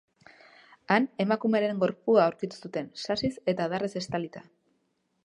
Han, emakumearen gorpua aurkitu zuten, sasiz eta adarrez estalita.